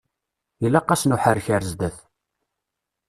Ilaq-asen uḥerrek ar zdat.